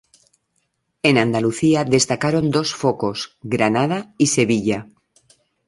En Andalucía destacaron dos focos: Granada y Sevilla.